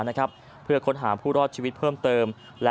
นะครับเพื่อค้นหาผู้รอดชีวิตเพิ่มเติมและ